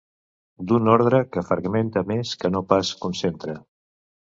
D'un ordre que fragmenta més que no pas concentra.